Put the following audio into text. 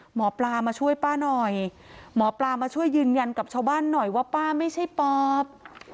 หมอปลามาช่วยป้าหน่อยหมอปลามาช่วยยืนยันกับชาวบ้านหน่อยว่าป้าไม่ใช่ปอบ